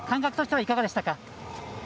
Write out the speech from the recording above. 感覚としてはいかがでしたか？